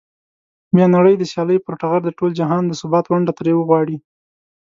بیا نړۍ د سیالۍ پر ټغر د ټول جهان د ثبات ونډه ترې وغواړي.